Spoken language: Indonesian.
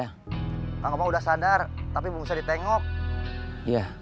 besok saya berangkat ke semedang sementara itu saya akan pergi ke jawa tenggara